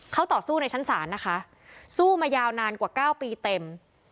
เขาต่อสู้ในชั้นศาลนะคะสู้มายาวนานกว่า๙ปีเต็ม